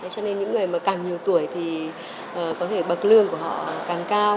cho nên những người mà càng nhiều tuổi thì có thể bậc lương của họ càng cao